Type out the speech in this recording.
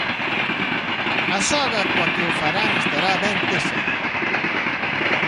A soga coa que o farán estará ben tesa.